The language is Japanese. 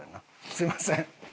すみません。